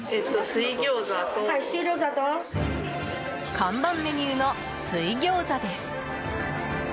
看板メニューの水餃子です。